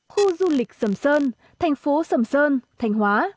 khu du lịch sầm sơn thành phố sầm sơn thành hóa